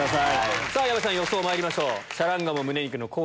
矢部さん予想まいりましょう。